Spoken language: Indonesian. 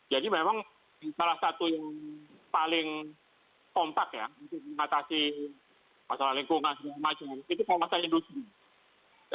jadi memang salah satu yang paling kompak ya untuk mengatasi masalah lingkungan dan semacamnya itu kelepasan industri